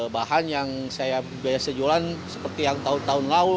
bahan yang saya biasa jualan seperti yang tahun tahun lalu